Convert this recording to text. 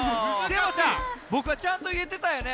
でもさぼくはちゃんといえてたよね？